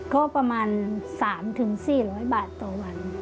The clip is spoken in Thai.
ก็ประมาณ๓๔๐๐บาทต่อวัน